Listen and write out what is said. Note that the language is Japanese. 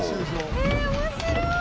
ええ面白い！